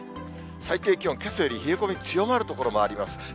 最低気温、けさより冷え込み強まる所もあります。